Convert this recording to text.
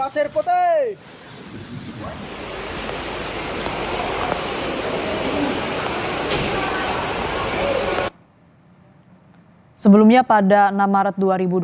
sebelumnya pada enam maret dua ribu dua puluh